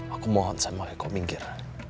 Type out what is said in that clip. aku mohon sama eko minggir